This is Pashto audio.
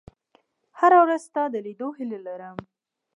• هره ورځ ستا د لیدو هیله لرم.